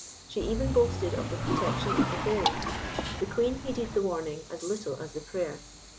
She even boasted of the protection of the Fairies. The Queen heeded the warning as little as the prayer.